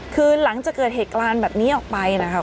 คือหลังจากเกิดเหตุการณ์แบบนี้ออกไปนะคะ